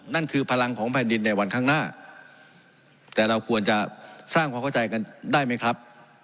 นั่นคือพลังของแผ่นดินในวันข้างหน้าแต่เราควรจะสร้างความเข้าใจกันได้ไหมครับ